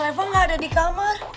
reva gak ada di kamar